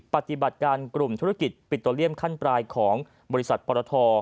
ปฏิบัติการกลุ่มธุรกิจปิโตเลียมขั้นปลายของบริษัทปรท